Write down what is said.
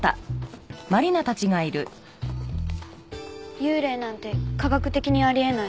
幽霊なんて科学的にあり得ない。